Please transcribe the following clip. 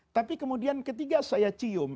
tapi kemudian ketika saya cium